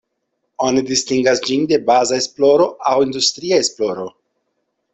Oni distingas ĝin de baza esploro aŭ industria esploro.